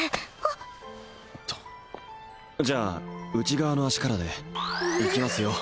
っとじゃあ内側の足からでいきますよ